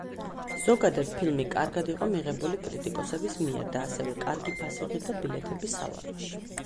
ზოგადად, ფილმი კარგად იყო მიღებული კრიტიკოსების მიერ და ასევე „კარგი“ ფასი ღირდა ბილეთები სალაროში.